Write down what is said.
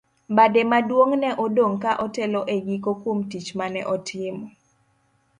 Bade maduong' ne odong' ka otelo e giko kuom tich mane otimo.